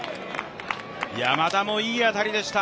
山田もいい当たりでした。